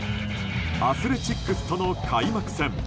アスレチックスとの開幕戦。